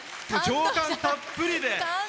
情感たっぷりで。